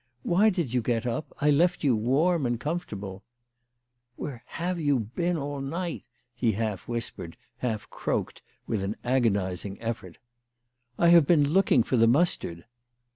" Why did you get up ? I left you warm and comfortable "" Where have you been all night ?" he half whis pered, half croaked, withan agonising effort. " I have been looking for the mustard."